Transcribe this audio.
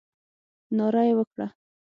ناره یې وکړه.